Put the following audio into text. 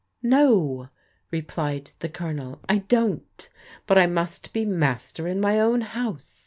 " No," replied the Colonel, " I don't ; but I must be master in my own house.